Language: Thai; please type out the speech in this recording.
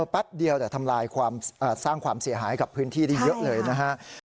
แป๊บเดียวแต่ทำลายความสร้างความเสียหายกับพื้นที่ได้เยอะเลยนะครับ